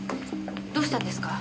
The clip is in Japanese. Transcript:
どうしたんですか？